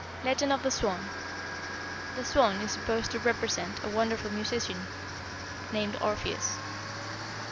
LEGEND OF THE SWAN. "The 'Swan' is supposed to represent a wonderful musician named Orpheus.